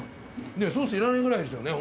ソースいらないぐらいですよね